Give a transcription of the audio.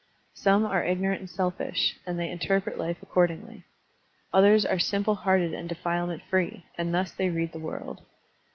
Some are ignorant and selfish, and they interpret life accordingly. Others are simple hearted and defilement free, and thus they read the world.